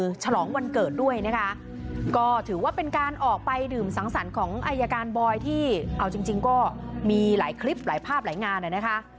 ฉลองวันเกิดด้วยนะคะก็ถือว่าเป็นการออกไปดื่มสังสรรค์ของอายการบอยที่เอาจริงจริงก็มีหลายคลิปหลายภาพหลายงานนะคะ